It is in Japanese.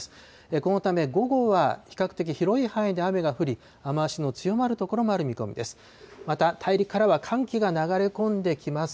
このため午後は比較的広い範囲で雨が降り、雨足の強まる所もある見込みです。